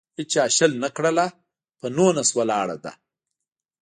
هیچا شل نه کړله. په نولس ولاړه ده.